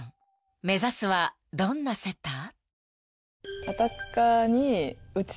［目指すはどんなセッター？］